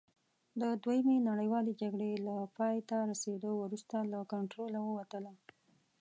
د دویمې نړیوالې جګړې تر پایته رسېدو وروسته له کنټروله ووتله.